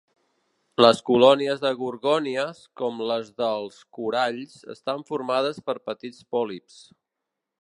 Les colònies de gorgònies, com les dels coralls, estan formades per petits pòlips.